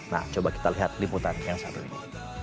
nah coba kita lihat liputan yang satu ini